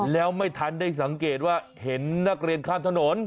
แล้วไม่ทันได้สังเกตว่าเห็นนักเรียนข้ามถนน